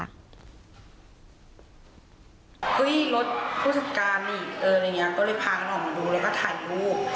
เฮ้ยรถผู้จัดการนี่อะไรอย่างนี้ก็เลยพากันออกมาดูแล้วก็ถ่ายรูป